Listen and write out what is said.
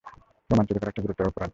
প্রমাণ চুরি করা একটি গুরুতর অপরাধ।